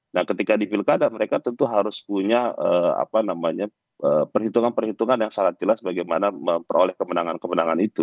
nah ketika di pilkada mereka tentu harus punya perhitungan perhitungan yang sangat jelas bagaimana memperoleh kemenangan kemenangan itu